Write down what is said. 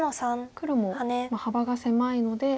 黒も幅が狭いので。